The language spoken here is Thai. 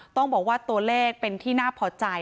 ต้องบอกว่าตัวเลขเป็นที่น่าพอใจ